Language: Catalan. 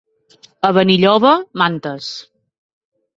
A Benilloba, mantes.